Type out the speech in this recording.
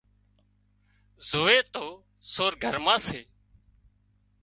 زووي تو سور گھر مان سي